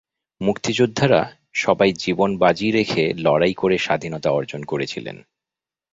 মুক্তিযোদ্ধারা সবাই জীবন বাজি রেখে লড়াই করে স্বাধীনতা অর্জন করেছিলেন।